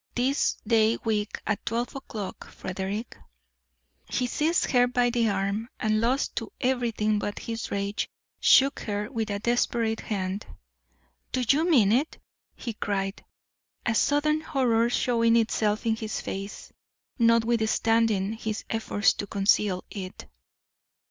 This day week at twelve o'clock, Frederick." He seized her by the arm, and lost to everything but his rage, shook her with a desperate hand. "Do you mean it?" he cried, a sudden horror showing itself in his face, notwithstanding his efforts to conceal it.